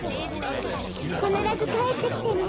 かならずかえってきてね。